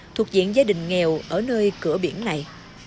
thuộc diện gia đình nghèo ở nơi cửa biển này